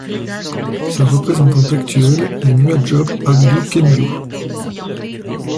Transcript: Sa représentante actuelle est Muhajob Abdu Kemeyu.